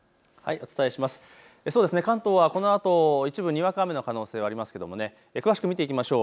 関東はこのあと一部にわか雨の可能性がありますが詳しく見ていきましょう。